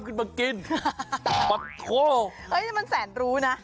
กวักน้ำมากิน